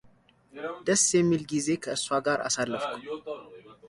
ደስ የሚል ጊዜ ከእሷ ጋር አሳለፍኩ፡፡